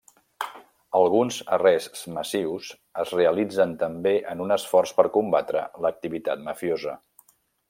Alguns arrests massius es realitzen també en un esforç per combatre l'activitat mafiosa.